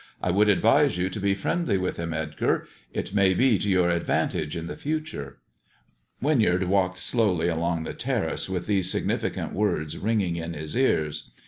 I would advise you to be friendly with him, Edgar. It may be to your advantage in the future." Winyard walked slowly along the terrace with these significant words ringing in his ears.